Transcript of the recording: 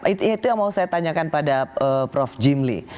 itu yang mau saya tanyakan pada prof jimli